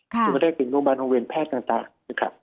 คือมันได้ถึงโรงพยาบาลโรงเรียนแพทย์ต่างนะครับ